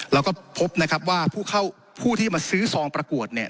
แล้วก็พบนะครับว่าผู้เข้าผู้ที่มาซื้อซองประกวดเนี่ย